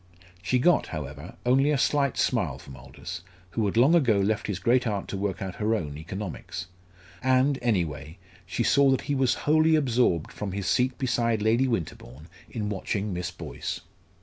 She got, however, only a slight smile from Aldous, who had long ago left his great aunt to work out her own economics. And, anyway, she saw that he was wholly absorbed from his seat beside Lady Winterbourne in watching Miss Boyce.